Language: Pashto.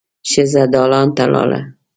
ښځه دالان ته لاړه.